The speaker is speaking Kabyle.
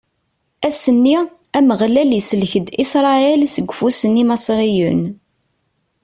Ass-nni, Ameɣlal isellek-d Isṛayil seg ufus n Imaṣriyen.